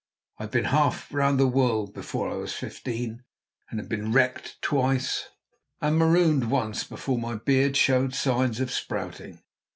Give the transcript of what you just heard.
I'd been half round the world before I was fifteen, and had been wrecked twice and marooned once before my beard showed signs of sprouting.